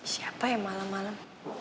siapa ya malam malam